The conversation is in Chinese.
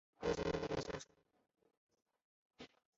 张二庄乡是中国河北省邯郸市魏县下辖的一个乡。